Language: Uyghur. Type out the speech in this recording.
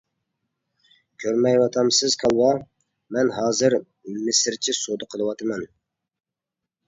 كۆرمەيۋاتامسىز كالۋا، مەن ھازىر مىسىرچە سودا قىلىۋاتىمەن.